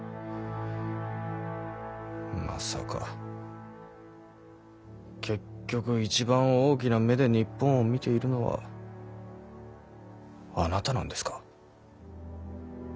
まさか結局一番大きな目で日本を見ているのはあなたなんですか？